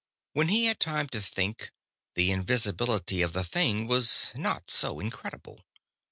When he had time to think, the invisibility of the thing was not so incredible.